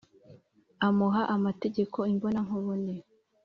amuha amategeko imbonankubone,